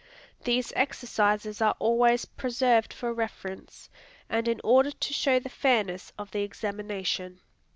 These exercises are always preserved for reference, and in order to show the fairness of the examination.